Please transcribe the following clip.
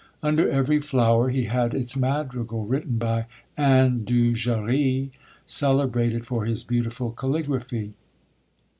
Under every flower he had its madrigal written by N. Du Jarry, celebrated for his beautiful caligraphy.